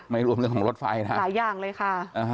รวมเรื่องของรถไฟนะฮะหลายอย่างเลยค่ะ